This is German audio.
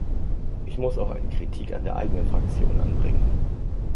Ich muss auch eine Kritik an der eigenen Fraktion anbringen.